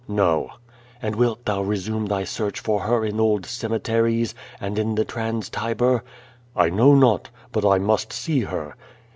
"No." "And wilt thou resume thy search for her in old cemeteries and in the Trans Tiber?" "I know not. But I must see her."